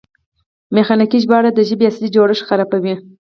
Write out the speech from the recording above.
میخانیکي ژباړه د ژبې اصلي جوړښت خرابوي.